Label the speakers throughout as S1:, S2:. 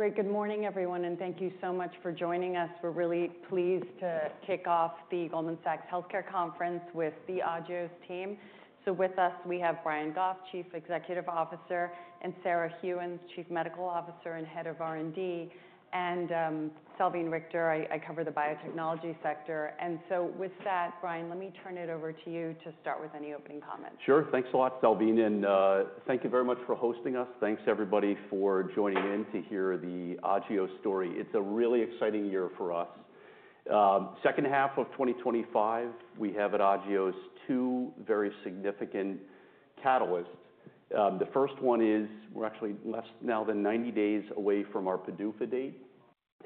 S1: Great. Good morning, everyone, and thank you so much for joining us. We're really pleased to kick off the Goldman Sachs Healthcare Conference with the Agios team. With us, we have Brian Goff, Chief Executive Officer, and Sarah Gheuens, Chief Medical Officer and Head of R&D, and Salveen Richter. I cover the biotechnology sector. With that, Brian, let me turn it over to you to start with any opening comments.
S2: Sure. Thanks a lot, Salveen. Thank you very much for hosting us. Thanks, everybody, for joining in to hear the Agios story. It's a really exciting year for us. Second half of 2025, we have at Agios two very significant catalysts. The first one is we're actually less now than 90 days away from our PDUFA date.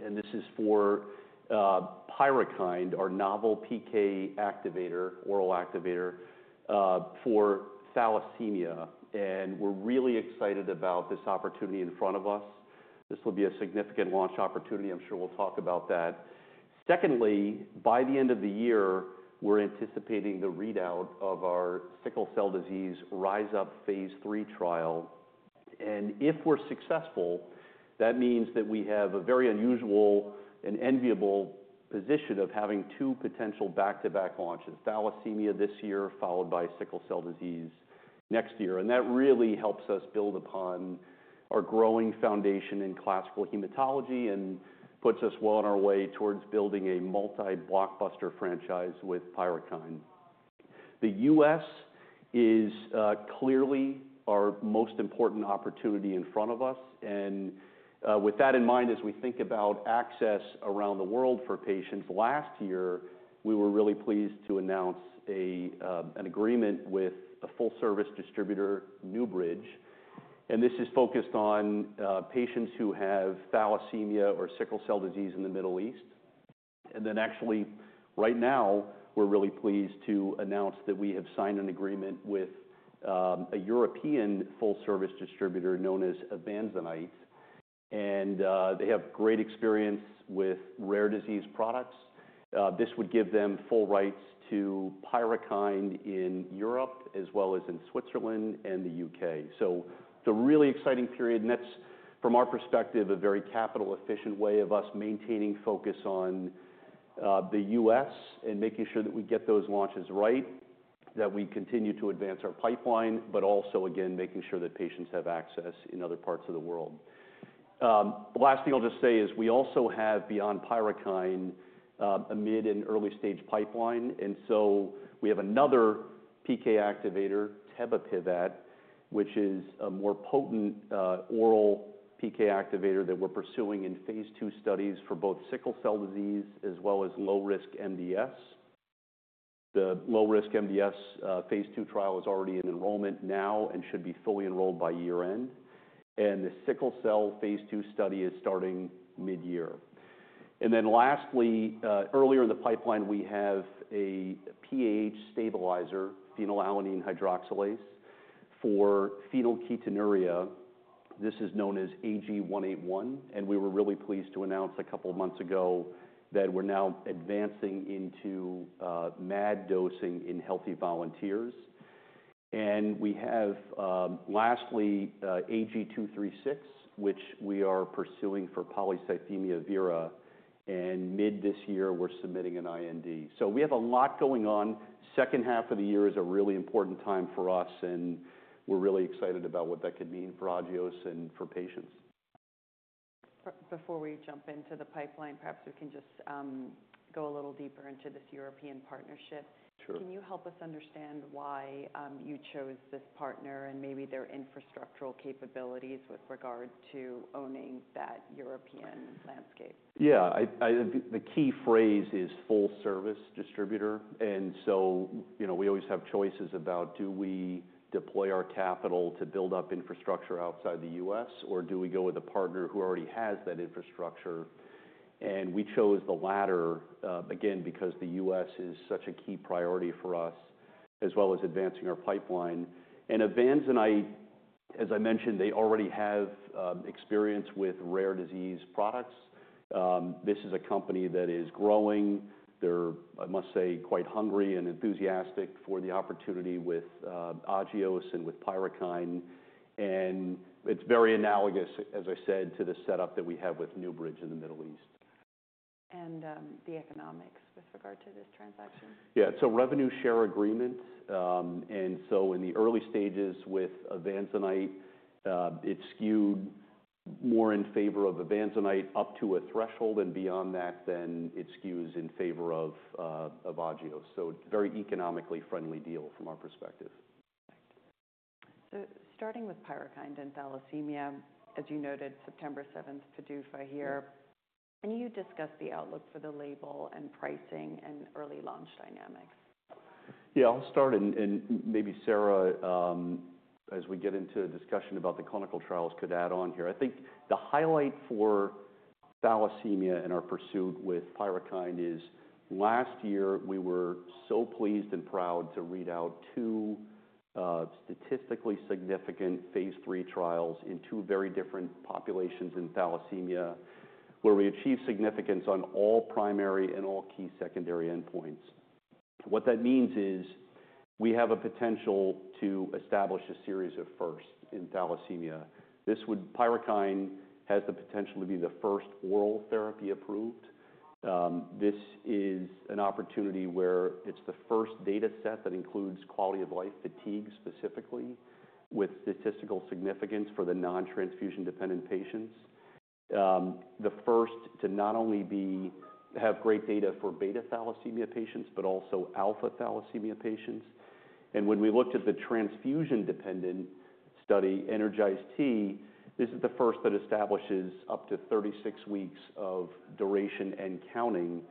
S2: This is for Pyrukynd, our novel PK activator, oral activator for thalassemia. We're really excited about this opportunity in front of us. This will be a significant launch opportunity. I'm sure we'll talk about that. Secondly, by the end of the year, we're anticipating the readout of our sickle cell disease RISE UP phase III trial. If we're successful, that means that we have a very unusual and enviable position of having two potential back-to-back launches: thalassemia this year, followed by sickle cell disease next year. That really helps us build upon our growing foundation in classical hematology and puts us well on our way towards building a multi-blockbuster franchise with Pyrukynd. The U.S. is clearly our most important opportunity in front of us. With that in mind, as we think about access around the world for patients, last year, we were really pleased to announce an agreement with a full-service distributor, NewBridge. This is focused on patients who have thalassemia or sickle cell disease in the Middle East. Actually, right now, we're really pleased to announce that we have signed an agreement with a European full-service distributor known as Evansenite. They have great experience with rare disease products. This would give them full rights to Pyrukynd in Europe, as well as in Switzerland and the U.K. It is a really exciting period. That's, from our perspective, a very capital-efficient way of us maintaining focus on the U.S. and making sure that we get those launches right, that we continue to advance our pipeline, but also, again, making sure that patients have access in other parts of the world. The last thing I'll just say is we also have, beyond Pyrukynd, a mid and early-stage pipeline. We have another PK activator, AG-946, which is a more potent oral PK activator that we're pursuing in phase II studies for both sickle cell disease as well as low-risk MDS. The low-risk MDS phase II trial is already in enrollment now and should be fully enrolled by year-end. The sickle cell phase II study is starting mid-year. Lastly, earlier in the pipeline, we have a PAH stabilizer, phenylalanine hydroxylase, for phenylketonuria. This is known as AG-181. We were really pleased to announce a couple of months ago that we're now advancing into MAD dosing in healthy volunteers. We have, lastly, AG-236, which we are pursuing for polycythemia vera. Mid this year, we're submitting an IND. We have a lot going on. Second half of the year is a really important time for us. We're really excited about what that could mean for Agios and for patients.
S1: Before we jump into the pipeline, perhaps we can just go a little deeper into this European partnership.
S2: Sure.
S1: Can you help us understand why you chose this partner and maybe their infrastructural capabilities with regard to owning that European landscape?
S2: Yeah. The key phrase is full-service distributor. We always have choices about do we deploy our capital to build up infrastructure outside the U.S., or do we go with a partner who already has that infrastructure? We chose the latter, again, because the U.S. is such a key priority for us, as well as advancing our pipeline. Evansenite, as I mentioned, already has experience with rare disease products. This is a company that is growing. They're, I must say, quite hungry and enthusiastic for the opportunity with Agios and with Pyrukynd. It is very analogous, as I said, to the setup that we have with Newbridge in the Middle East.
S1: The economics with regard to this transaction?
S2: Yeah. It's a revenue share agreement. In the early stages with Evansenite, it skewed more in favor of Evansenite up to a threshold, and beyond that, then it skews in favor of Agios. It's a very economically friendly deal from our perspective.
S1: Starting with Pyrukynd and thalassemia, as you noted, September 7, PDUFA here. Can you discuss the outlook for the label and pricing and early launch dynamics?
S2: Yeah. I'll start, and maybe Sarah, as we get into a discussion about the clinical trials, could add on here. I think the highlight for thalassemia in our pursuit with Pyrukynd is last year, we were so pleased and proud to read out two statistically significant phase III trials in two very different populations in thalassemia, where we achieved significance on all primary and all key secondary endpoints. What that means is we have a potential to establish a series of firsts in thalassemia. Pyrukynd has the potential to be the first oral therapy approved. This is an opportunity where it's the first data set that includes quality of life fatigue specifically, with statistical significance for the non-transfusion-dependent patients. The first to not only have great data for beta thalassemia patients, but also alpha thalassemia patients. When we looked at the transfusion-dependent study, Energize-T, this is the first that establishes up to 36 weeks of duration and counting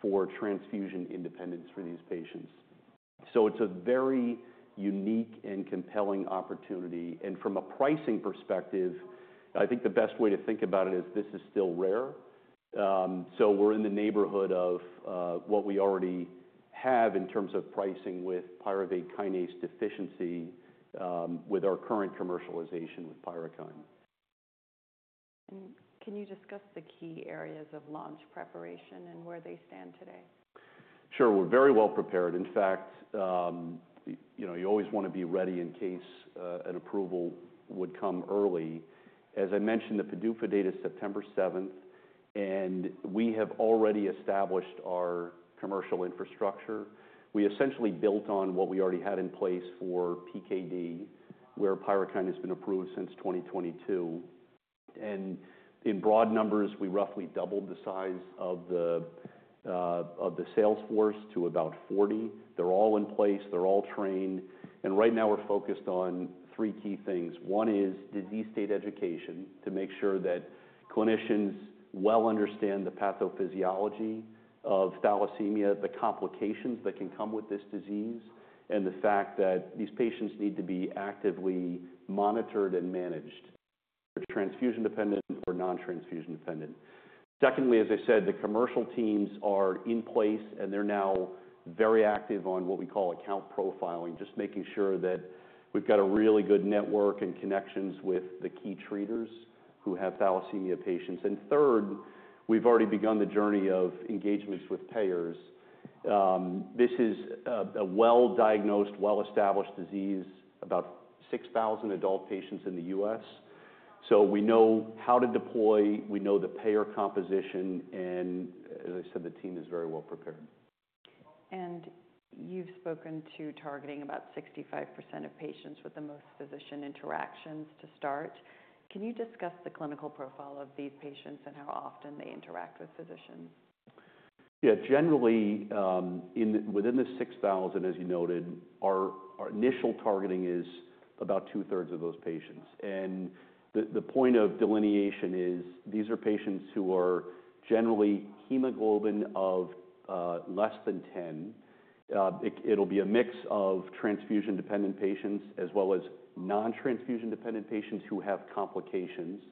S2: for transfusion independence for these patients. It is a very unique and compelling opportunity. From a pricing perspective, I think the best way to think about it is this is still rare. We are in the neighborhood of what we already have in terms of pricing with pyruvate kinase deficiency with our current commercialization with Pyrukynd.
S1: Can you discuss the key areas of launch preparation and where they stand today?
S2: Sure. We're very well prepared. In fact, you always want to be ready in case an approval would come early. As I mentioned, the PDUFA date is September 7, 2025. We have already established our commercial infrastructure. We essentially built on what we already had in place for PKD, where Pyrukynd has been approved since 2022. In broad numbers, we roughly doubled the size of the sales force to about 40. They're all in place. They're all trained. Right now, we're focused on three key things. One is disease state education to make sure that clinicians well understand the pathophysiology of thalassemia, the complications that can come with this disease, and the fact that these patients need to be actively monitored and managed, transfusion-dependent or non-transfusion-dependent. Secondly, as I said, the commercial teams are in place, and they're now very active on what we call account profiling, just making sure that we've got a really good network and connections with the key treaters who have thalassemia patients. Third, we've already begun the journey of engagements with payers. This is a well-diagnosed, well-established disease, about 6,000 adult patients in the U.S. We know how to deploy. We know the payer composition. As I said, the team is very well prepared.
S1: You've spoken to targeting about 65% of patients with the most physician interactions to start. Can you discuss the clinical profile of these patients and how often they interact with physicians?
S2: Yeah. Generally, within the 6,000, as you noted, our initial targeting is about two-thirds of those patients. The point of delineation is these are patients who are generally hemoglobin of less than 10. It'll be a mix of transfusion-dependent patients as well as non-transfusion-dependent patients who have complications.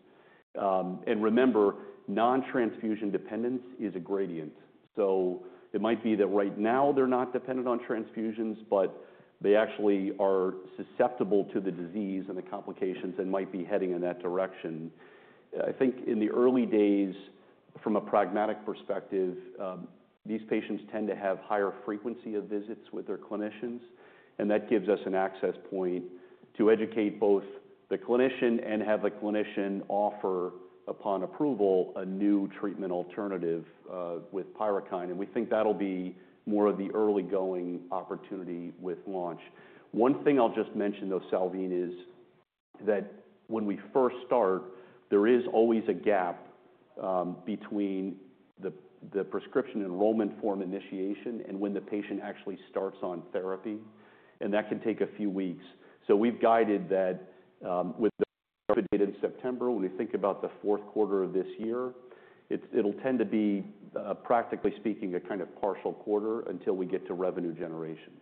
S2: Remember, non-transfusion dependence is a gradient. It might be that right now they're not dependent on transfusions, but they actually are susceptible to the disease and the complications and might be heading in that direction. I think in the early days, from a pragmatic perspective, these patients tend to have higher frequency of visits with their clinicians. That gives us an access point to educate both the clinician and have the clinician offer, upon approval, a new treatment alternative with Pyrukynd. We think that'll be more of the early-going opportunity with launch. One thing I'll just mention, though, Salveen, is that when we first start, there is always a gap between the prescription enrollment form initiation and when the patient actually starts on therapy. That can take a few weeks. We've guided that with the PDUFA date in September, when we think about the fourth quarter of this year, it'll tend to be, practically speaking, a kind of partial quarter until we get to revenue generation.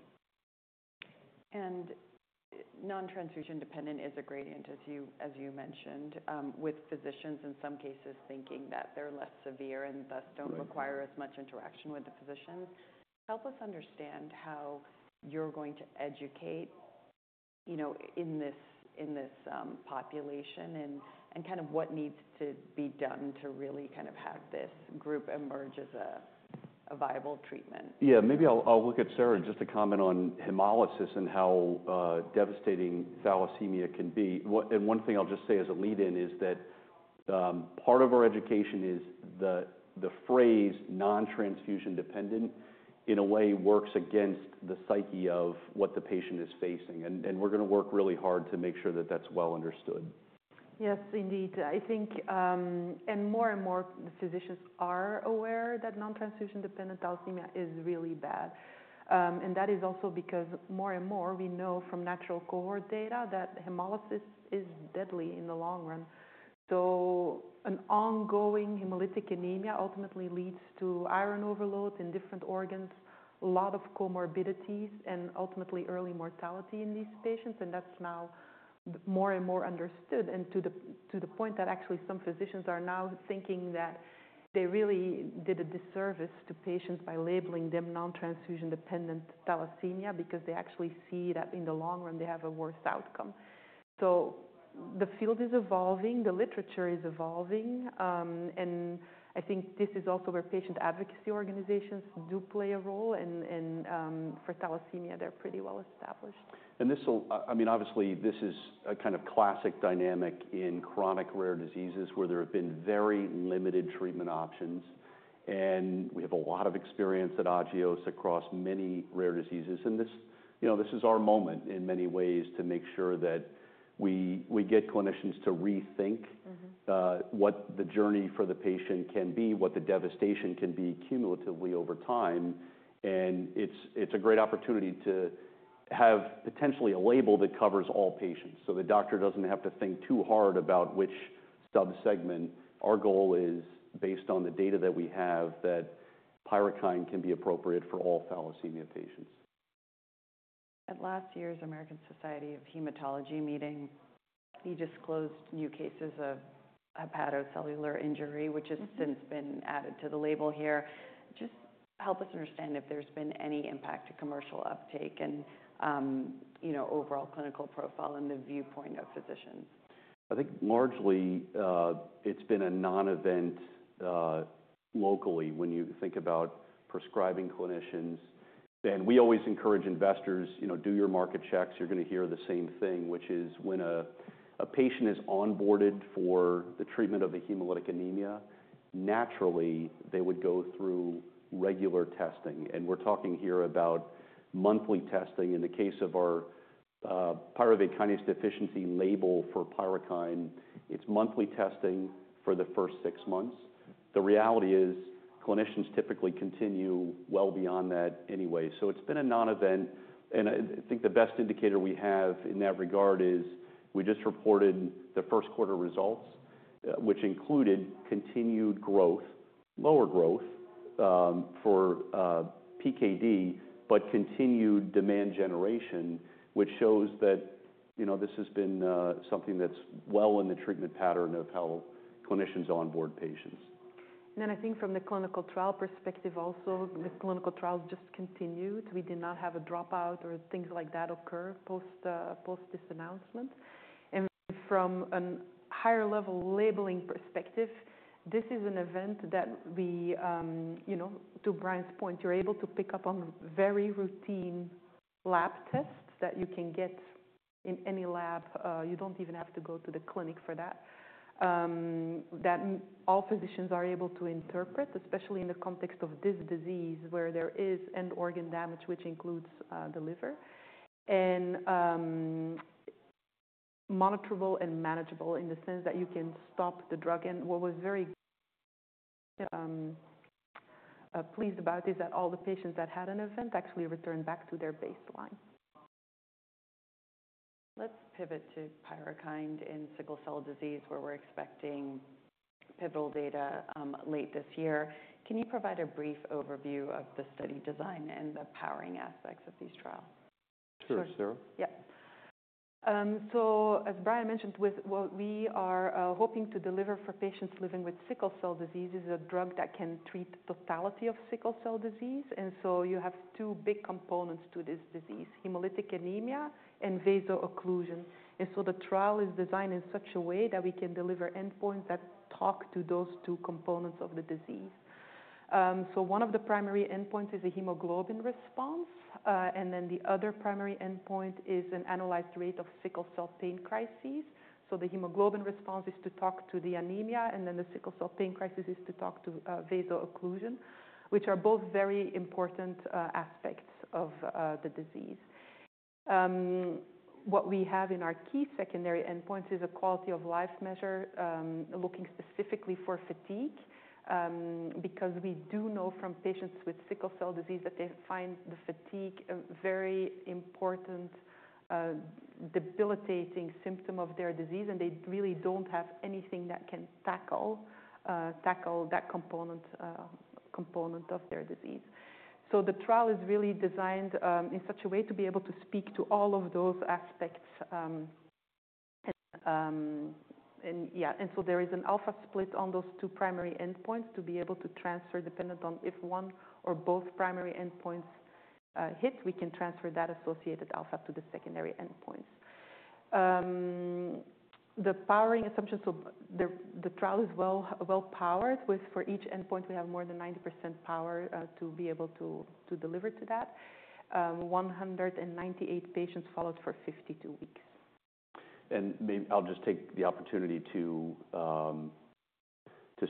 S1: Non-transfusion dependent is a gradient, as you mentioned, with physicians in some cases thinking that they're less severe and thus don't require as much interaction with the physicians. Help us understand how you're going to educate in this population and kind of what needs to be done to really kind of have this group emerge as a viable treatment.
S2: Yeah. Maybe I'll look at Sarah and just to comment on hemolysis and how devastating thalassemia can be. One thing I'll just say as a lead-in is that part of our education is the phrase non-transfusion dependent, in a way, works against the psyche of what the patient is facing. We're going to work really hard to make sure that that's well understood.
S3: Yes, indeed. I think, and more and more, the physicians are aware that non-transfusion dependent thalassemia is really bad. That is also because more and more, we know from natural cohort data that hemolysis is deadly in the long run. An ongoing hemolytic anemia ultimately leads to iron overload in different organs, a lot of comorbidities, and ultimately early mortality in these patients. That is now more and more understood, to the point that actually some physicians are now thinking that they really did a disservice to patients by labeling them non-transfusion dependent thalassemia because they actually see that in the long run, they have a worse outcome. The field is evolving. The literature is evolving. I think this is also where patient advocacy organizations do play a role. For thalassemia, they are pretty well established.
S2: This will, I mean, obviously, this is a kind of classic dynamic in chronic rare diseases where there have been very limited treatment options. We have a lot of experience at Agios across many rare diseases. This is our moment in many ways to make sure that we get clinicians to rethink what the journey for the patient can be, what the devastation can be cumulatively over time. It is a great opportunity to have potentially a label that covers all patients so the doctor does not have to think too hard about which subsegment. Our goal is, based on the data that we have, that Pyrukynd can be appropriate for all thalassemia patients.
S1: At last year's American Society of Hematology meeting, you disclosed new cases of hepatocellular injury, which has since been added to the label here. Just help us understand if there's been any impact to commercial uptake and overall clinical profile and the viewpoint of physicians.
S2: I think largely it's been a non-event locally when you think about prescribing clinicians. And we always encourage investors, do your market checks. You're going to hear the same thing, which is when a patient is onboarded for the treatment of a hemolytic anemia, naturally, they would go through regular testing. And we're talking here about monthly testing. In the case of our pyruvate kinase deficiency label for Pyrukynd, it's monthly testing for the first six months. The reality is clinicians typically continue well beyond that anyway. So it's been a non-event. And I think the best indicator we have in that regard is we just reported the first quarter results, which included continued growth, lower growth for PKD, but continued demand generation, which shows that this has been something that's well in the treatment pattern of how clinicians onboard patients.
S3: I think from the clinical trial perspective also, the clinical trials just continued. We did not have a dropout or things like that occur post this announcement. From a higher-level labeling perspective, this is an event that we, to Brian's point, are able to pick up on very routine lab tests that you can get in any lab. You do not even have to go to the clinic for that, that all physicians are able to interpret, especially in the context of this disease where there is end-organ damage, which includes the liver, and monitorable and manageable in the sense that you can stop the drug. What was very pleasing is that all the patients that had an event actually returned back to their baseline.
S1: Let's pivot to Pyrukynd in sickle cell disease, where we're expecting pivotal data late this year. Can you provide a brief overview of the study design and the powering aspects of these trials?
S2: Sure, Sarah.
S1: Yeah.
S3: As Brian mentioned, what we are hoping to deliver for patients living with sickle cell disease is a drug that can treat the totality of sickle cell disease. You have two big components to this disease, hemolytic anemia and vasoocclusion. The trial is designed in such a way that we can deliver endpoints that talk to those two components of the disease. One of the primary endpoints is a hemoglobin response. The other primary endpoint is an analyzed rate of sickle cell pain crises. The hemoglobin response is to talk to the anemia, and the sickle cell pain crisis is to talk to vasoocclusion, which are both very important aspects of the disease. What we have in our key secondary endpoints is a quality of life measure, looking specifically for fatigue, because we do know from patients with sickle cell disease that they find the fatigue a very important debilitating symptom of their disease, and they really do not have anything that can tackle that component of their disease. The trial is really designed in such a way to be able to speak to all of those aspects. There is an alpha split on those two primary endpoints to be able to transfer dependent on if one or both primary endpoints hit, we can transfer that associated alpha to the secondary endpoints. The powering assumption, so the trial is well powered with, for each endpoint, we have more than 90% power to be able to deliver to that. 198 patients followed for 52 weeks.
S2: I'll just take the opportunity to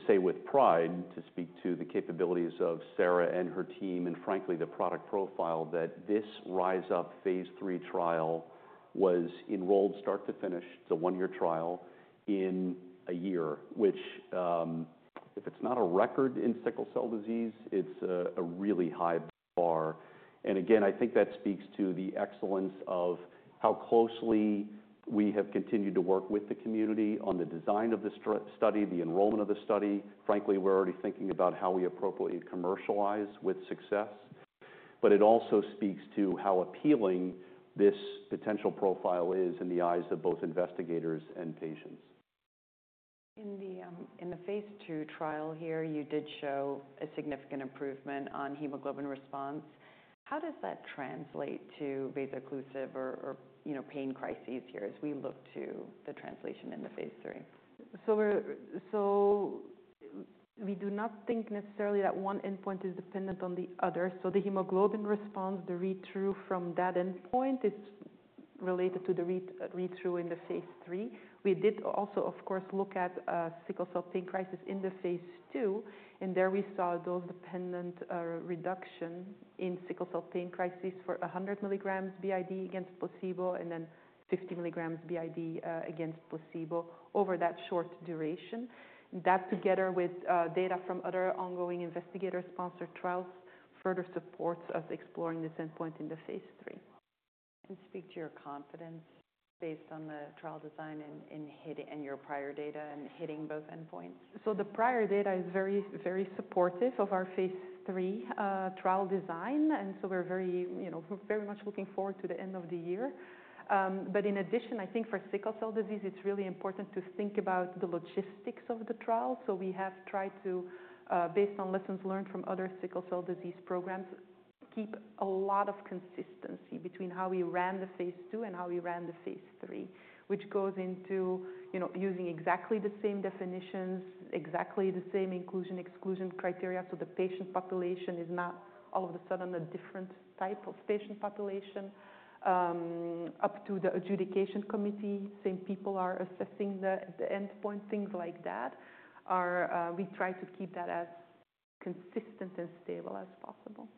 S2: say with pride to speak to the capabilities of Sarah and her team and frankly the product profile that this RISE UP phase three trial was enrolled start to finish. It's a one-year trial in a year, which if it's not a record in sickle cell disease, it's a really high bar. I think that speaks to the excellence of how closely we have continued to work with the community on the design of this study, the enrollment of the study. Frankly, we're already thinking about how we appropriately commercialize with success. It also speaks to how appealing this potential profile is in the eyes of both investigators and patients.
S1: In the phase two trial here, you did show a significant improvement on hemoglobin response. How does that translate to vasoocclusive or pain crises here as we look to the translation in the phase three?
S3: We do not think necessarily that one endpoint is dependent on the other. The hemoglobin response, the read-through from that endpoint is related to the read-through in the phase three. We did also, of course, look at sickle cell pain crisis in the phase two. There we saw those dependent reduction in sickle cell pain crises for 100 milligrams b.i.d. against placebo and then 50 milligrams b.i.d. against placebo over that short duration. That together with data from other ongoing investigator-sponsored trials further supports us exploring this endpoint in the phase three.
S1: Speak to your confidence based on the trial design and your prior data and hitting both endpoints.
S3: The prior data is very, very supportive of our phase three trial design. We are very much looking forward to the end of the year. In addition, I think for sickle cell disease, it's really important to think about the logistics of the trial. We have tried to, based on lessons learned from other sickle cell disease programs, keep a lot of consistency between how we ran the phase two and how we ran the phase three, which goes into using exactly the same definitions, exactly the same inclusion-exclusion criteria. The patient population is not all of a sudden a different type of patient population. Up to the adjudication committee, the same people are assessing the endpoint, things like that. We try to keep that as consistent and stable as possible.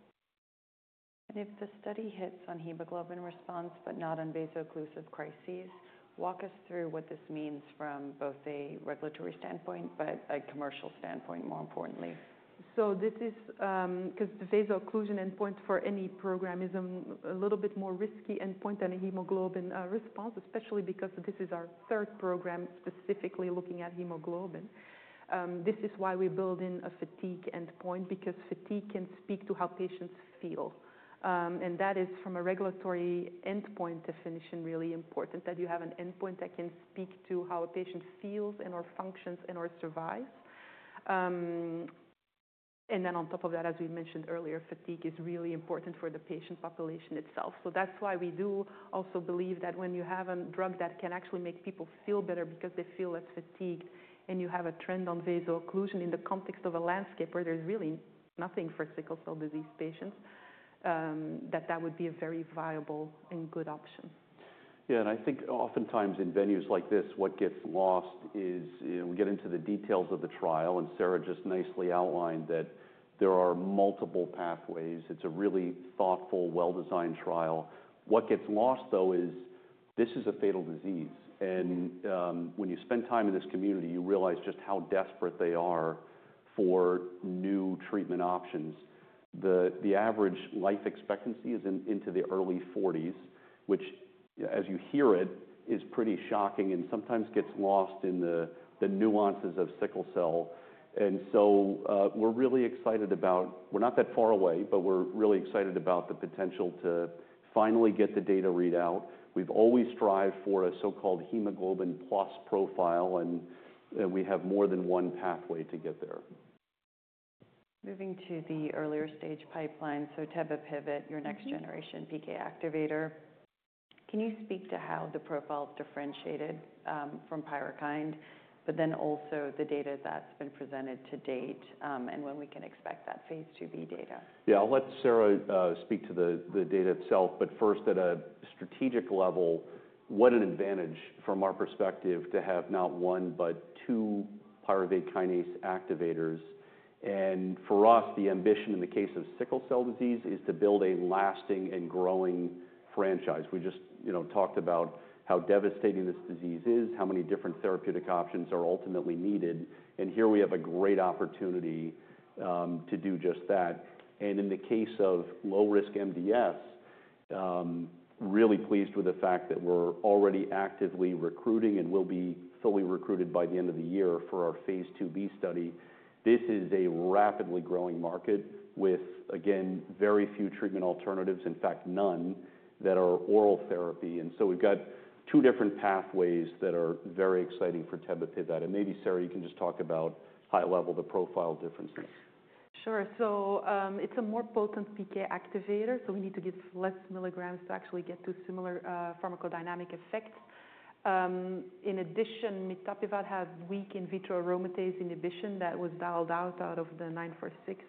S1: If the study hits on hemoglobin response but not on vasoocclusive crises, walk us through what this means from both a regulatory standpoint, but a commercial standpoint, more importantly.
S3: This is because the vasoocclusion endpoint for any program is a little bit more risky endpoint than a hemoglobin response, especially because this is our third program specifically looking at hemoglobin. This is why we build in a fatigue endpoint, because fatigue can speak to how patients feel. That is, from a regulatory endpoint definition, really important that you have an endpoint that can speak to how a patient feels and/or functions and/or survives. On top of that, as we mentioned earlier, fatigue is really important for the patient population itself. That is why we do also believe that when you have a drug that can actually make people feel better because they feel less fatigued and you have a trend on vasoocclusion in the context of a landscape where there is really nothing for sickle cell disease patients, that that would be a very viable and good option.
S2: Yeah. I think oftentimes in venues like this, what gets lost is we get into the details of the trial. Sarah just nicely outlined that there are multiple pathways. It's a really thoughtful, well-designed trial. What gets lost, though, is this is a fatal disease. When you spend time in this community, you realize just how desperate they are for new treatment options. The average life expectancy is into the early 40s, which, as you hear it, is pretty shocking and sometimes gets lost in the nuances of sickle cell. We are really excited about—we're not that far away, but we're really excited about the potential to finally get the data read out. We've always strived for a so-called hemoglobin plus profile, and we have more than one pathway to get there.
S1: Moving to the earlier stage pipeline, so Tebapivat, your next generation PK activator. Can you speak to how the profile is differentiated from Pyrukynd, but then also the data that's been presented to date and when we can expect that phase two B data?
S2: Yeah, I'll let Sarah speak to the data itself. First, at a strategic level, what an advantage from our perspective to have not one, but two pyruvate kinase activators. For us, the ambition in the case of sickle cell disease is to build a lasting and growing franchise. We just talked about how devastating this disease is, how many different therapeutic options are ultimately needed. Here we have a great opportunity to do just that. In the case of low-risk MDS, really pleased with the fact that we're already actively recruiting and will be fully recruited by the end of the year for our phase two B study. This is a rapidly growing market with, again, very few treatment alternatives, in fact, none that are oral therapy. We've got two different pathways that are very exciting for Tebapivat. Maybe, Sarah, you can just talk about high level the profile differences.
S3: Sure. It is a more potent PK activator. We need to give fewer milligrams to actually get to similar pharmacodynamic effects. In addition, Mitapivat has weak in vitro aromatase inhibition that was dialed out of the 946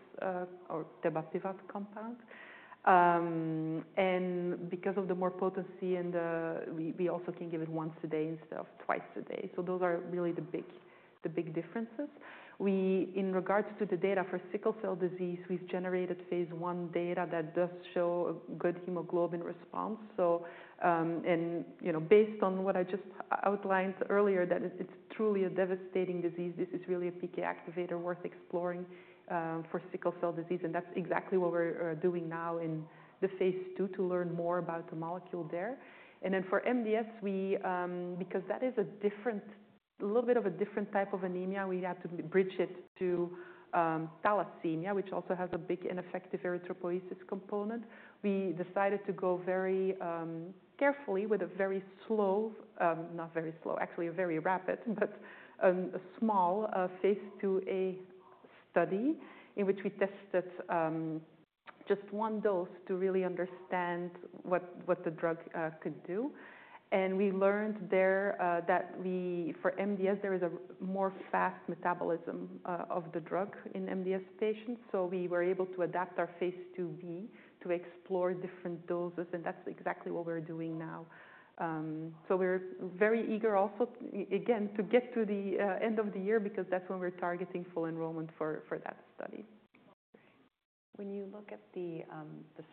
S3: or Tebapivat compound. Because of the increased potency, we also can give it once a day instead of twice a day. Those are really the big differences. In regards to the data for sickle cell disease, we have generated phase one data that does show a good hemoglobin response. Based on what I just outlined earlier, that it is truly a devastating disease, this is really a PK activator worth exploring for sickle cell disease. That is exactly what we are doing now in the phase two to learn more about the molecule there. For MDS, because that is a little bit of a different type of anemia, we had to bridge it to thalassemia, which also has a big ineffective erythropoiesis component. We decided to go very carefully with a very rapid, but a small phase two A study in which we tested just one dose to really understand what the drug could do. We learned there that for MDS, there is a more fast metabolism of the drug in MDS patients. We were able to adapt our phase two B to explore different doses. That is exactly what we are doing now. We are very eager also, again, to get to the end of the year because that is when we are targeting full enrollment for that study.
S1: When you look at the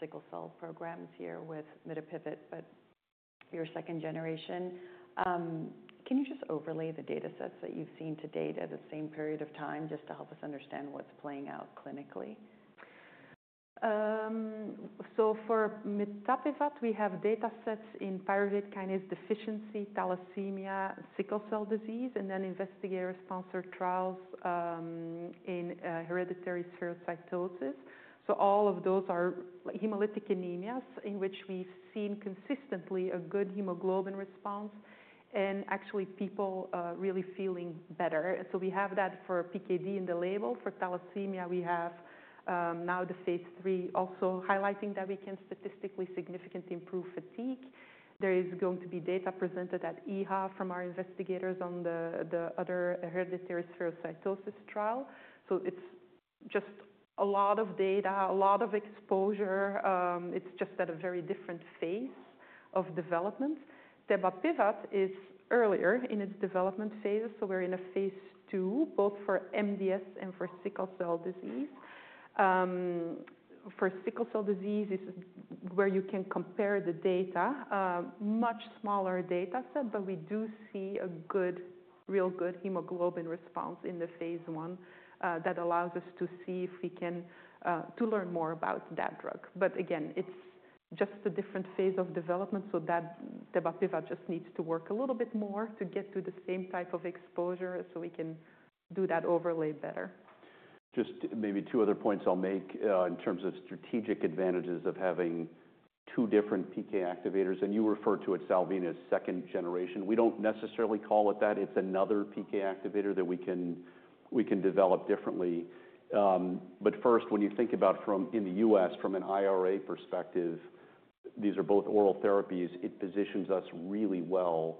S1: sickle cell programs here with Mitapivat, but your second generation, can you just overlay the data sets that you've seen to date at the same period of time just to help us understand what's playing out clinically?
S3: For Mitapivat, we have data sets in pyruvate kinase deficiency, thalassemia, sickle cell disease, and then investigator-sponsored trials in hereditary spherocytosis. All of those are hemolytic anemias in which we've seen consistently a good hemoglobin response and actually people really feeling better. We have that for PKD in the label. For thalassemia, we have now the phase three also highlighting that we can statistically significantly improve fatigue. There is going to be data presented at EHA from our investigators on the other hereditary spherocytosis trial. It's just a lot of data, a lot of exposure. It's just at a very different phase of development. Tebapivat is earlier in its development phase. We're in a phase two both for MDS and for sickle cell disease. For sickle cell disease, it's where you can compare the data, much smaller data set, but we do see a good, real good hemoglobin response in the phase one that allows us to see if we can learn more about that drug. Again, it's just a different phase of development. So Tebapivat just needs to work a little bit more to get to the same type of exposure so we can do that overlay better.
S2: Just maybe two other points I'll make in terms of strategic advantages of having two different PK activators. You refer to it, Salveen, as second generation. We don't necessarily call it that. It's another PK activator that we can develop differently. First, when you think about from in the U.S., from an IRA perspective, these are both oral therapies, it positions us really well.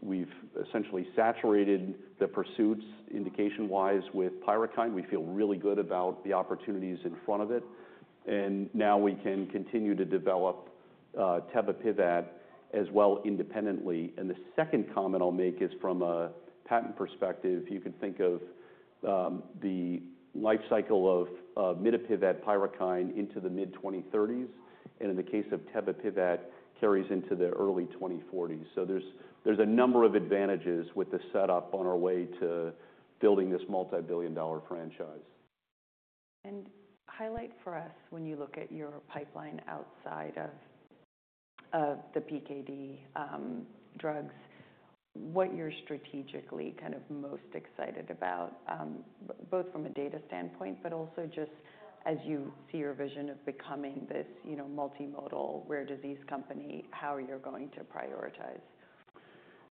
S2: We've essentially saturated the pursuits indication-wise with Pyrukynd. We feel really good about the opportunities in front of it. Now we can continue to develop Tebapivat as well independently. The second comment I'll make is from a patent perspective. You can think of the life cycle of Mitapivat, Pyrukynd into the mid-2030s. In the case of Tebapivat, carries into the early 2040s. There's a number of advantages with the setup on our way to building this multi-billion dollar franchise.
S1: Highlight for us when you look at your pipeline outside of the PKD drugs, what you're strategically kind of most excited about, both from a data standpoint, but also just as you see your vision of becoming this multimodal rare disease company, how you're going to prioritize.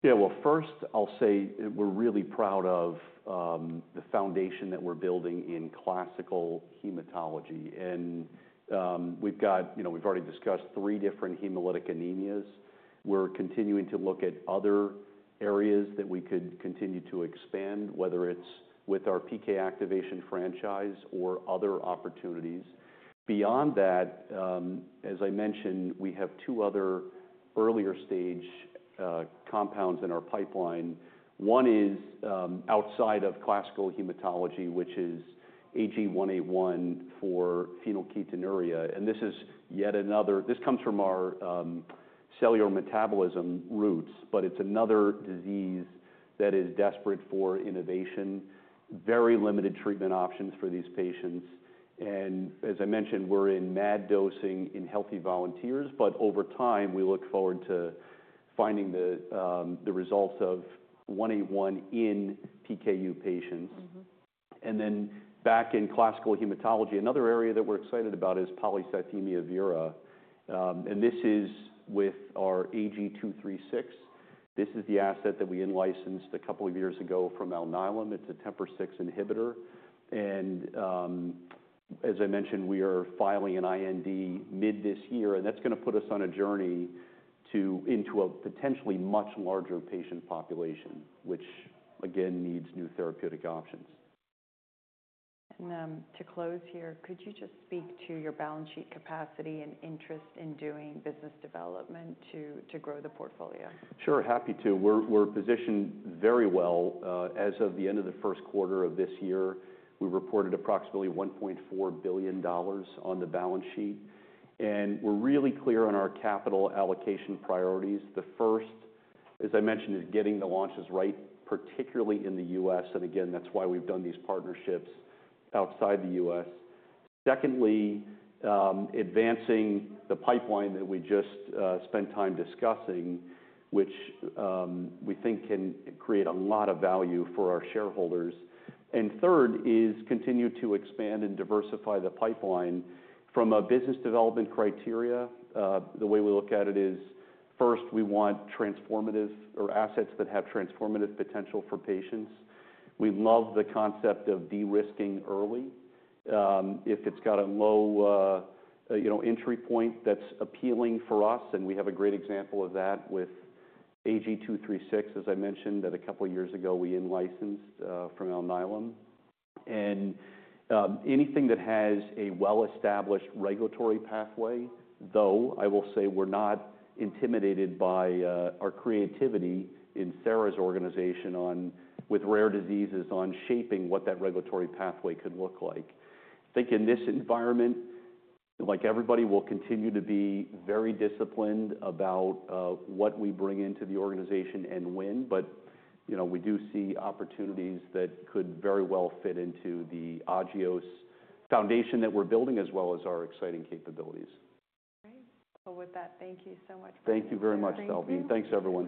S2: Yeah. First, I'll say we're really proud of the foundation that we're building in classical hematology. We've already discussed three different hemolytic anemias. We're continuing to look at other areas that we could continue to expand, whether it's with our PK activation franchise or other opportunities. Beyond that, as I mentioned, we have two other earlier stage compounds in our pipeline. One is outside of classical hematology, which is AG-181 for phenylketonuria. This is yet another, this comes from our cellular metabolism roots, but it's another disease that is desperate for innovation, very limited treatment options for these patients. As I mentioned, we're in MAD dosing in healthy volunteers. Over time, we look forward to finding the results of AG-181 in PKU patients. Back in classical hematology, another area that we're excited about is polycythemia vera. This is with our AG-236. This is the asset that we licensed a couple of years ago from Alnylam. It's a Tebapivat 6 inhibitor. As I mentioned, we are filing an IND mid this year. That's going to put us on a journey into a potentially much larger patient population, which, again, needs new therapeutic options.
S1: To close here, could you just speak to your balance sheet capacity and interest in doing business development to grow the portfolio?
S2: Sure. Happy to. We're positioned very well. As of the end of the first quarter of this year, we reported approximately $1.4 billion on the balance sheet. We're really clear on our capital allocation priorities. The first, as I mentioned, is getting the launches right, particularly in the U.S. That's why we've done these partnerships outside the U.S. Secondly, advancing the pipeline that we just spent time discussing, which we think can create a lot of value for our shareholders. Third is continue to expand and diversify the pipeline. From a business development criteria, the way we look at it is, first, we want assets that have transformative potential for patients. We love the concept of de-risking early. If it's got a low entry point, that's appealing for us. We have a great example of that with AG-236, as I mentioned, that a couple of years ago we licensed from Alnylam. Anything that has a well-established regulatory pathway, though, I will say we're not intimidated by our creativity in Sarah's organization with rare diseases on shaping what that regulatory pathway could look like. I think in this environment, like everybody, we'll continue to be very disciplined about what we bring into the organization and when. We do see opportunities that could very well fit into the Agios foundation that we're building as well as our exciting capabilities.
S1: Great. With that, thank you so much for your time.
S2: Thank you very much, Salveen. Thanks everyone.